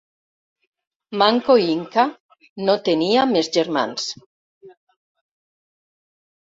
Manco Inca no tenia més germans.